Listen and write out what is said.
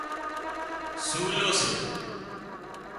سُولو سي